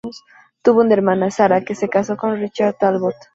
Tuvo una hermana, Sarah, que se casó con Richard Talbot.